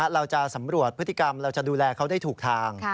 เราจะสำรวจพฤติกรรมเราจะดูแลเขาได้ถูกทาง